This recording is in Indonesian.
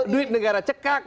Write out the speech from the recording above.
duit negara cekak